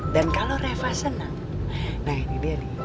dan kalo reva senang nah ini dia nih